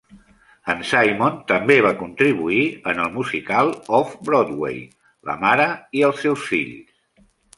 En Simon també va contribuir en el musical off-Broadway "La mare i els seus fills".